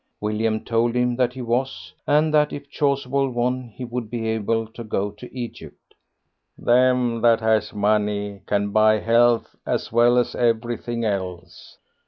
William told him that he was, and that if Chasuble won he would be able to go to Egypt. "Them that has money can buy health as well as everything else.